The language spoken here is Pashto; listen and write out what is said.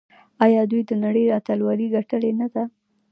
آیا دوی د نړۍ اتلولي ګټلې نه ده؟